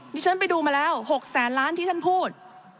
ที่ฉันไปดูมาแล้ว๖แสนล้านที่ท่านพูด